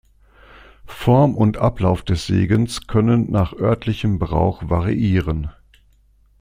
Form und Ablauf des Segens können nach örtlichem Brauch variieren.